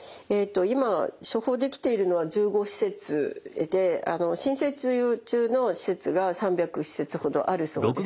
今処方できているのは１５施設で申請中の施設が３００施設ほどあるそうです。